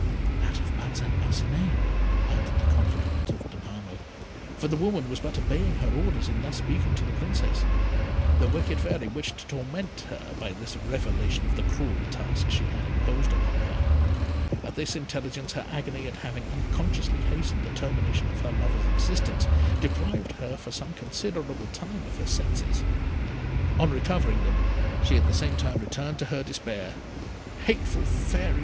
"That of Parcin Parcinet," answered the confidante of Danamo, for the woman was but obeying her orders in thus speaking to the Princess. The wicked Fairy wished to torment her by this revelation of the cruel task she had imposed upon her. At this intelligence her agony at having unconsciously hastened the termination of her lover's existence, deprived her for some considerable time of her senses. On recovering them, she at the same time returned to her despair. "Hateful Fairy!"